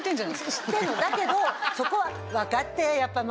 知ってるのだけどそこは分かって。